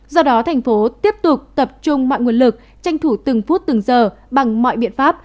do đó thành phố tiếp tục tập trung mọi nguồn lực tranh thủ từng phút từng giờ bằng mọi biện pháp